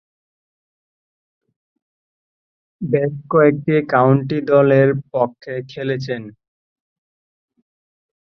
বেশ কয়েকটি কাউন্টি দলের পক্ষে খেলেছেন।